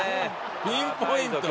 ピンポイント。